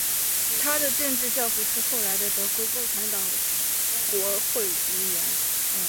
他的政治教父是后来的德国共产党国会议员。